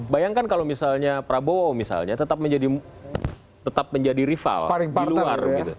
bayangkan kalau misalnya prabowo misalnya tetap menjadi rival di luar